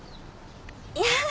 いや。